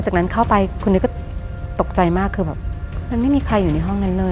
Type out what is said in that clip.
จากนั้นเข้าไปคุณนิดก็ตกใจมากคือแบบมันไม่มีใครอยู่ในห้องนั้นเลย